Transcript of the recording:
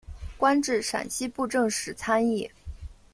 官至陕西布政使参议。